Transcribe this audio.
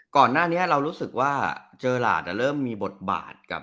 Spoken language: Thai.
ก่อนหน้านี้เรารู้สึกว่าเจอหลาดเริ่มมีบทบาทกับ